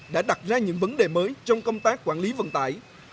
đã đặt ra những vấn đề mới trong công tác quản lý vận tải